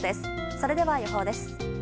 それでは予報です。